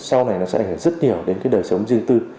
sau này nó sẽ ảnh hưởng rất nhiều đến cái đời sống riêng tư